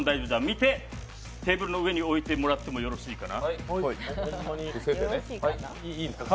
見てテーブルの上に置いてもらってもよろしいかな。